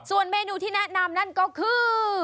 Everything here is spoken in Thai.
เมนูที่แนะนำนั่นก็คือ